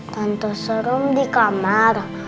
tante serem di kamar